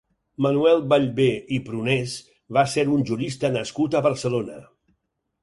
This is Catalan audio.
Manuel Ballbé i Prunés va ser un jurista nascut a Barcelona.